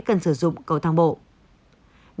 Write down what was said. cần sử dụng cấu thang bộ để ra khỏi đó